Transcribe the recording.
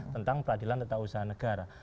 tentang peradilan tentang usaha negara